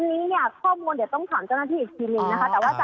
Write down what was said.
อันนี้เนี่ยข้อมูลเดี๋ยวต้องถามเจ้าหน้าที่อีกทีหนึ่งนะคะ